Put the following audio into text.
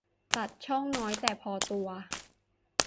ตัดช่องน้อยแต่พอตัว